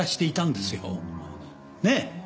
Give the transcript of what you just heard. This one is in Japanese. ねえ？